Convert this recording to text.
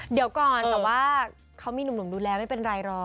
เดี๋ยวก่อนแต่ว่าเขามีหนุ่มดูแลไม่เป็นไรรอ